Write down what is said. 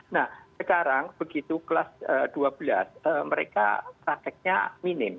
nah sekarang begitu kelas dua belas mereka prakteknya minim